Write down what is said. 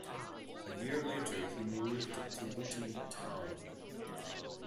A year later he moved to Luton Town.